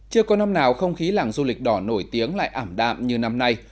chưa có năm nào không khí làng du lịch đỏ nổi tiếng lại ảm đạm như năm nay